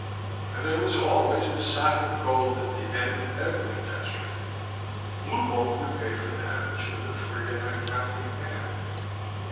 And there was always the sack of gold at the end of every catastrophe: Blue Bolt would pay for damage, with a free and uncounting hand.